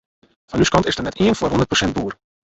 Fan ús kant is der net ien foar hûndert persint boer.